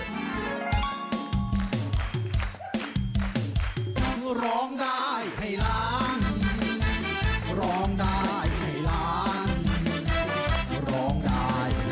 สวัสดีครับ